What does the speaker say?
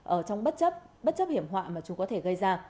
ở trong bất chấp hiểm họa mà chúng có thể gây ra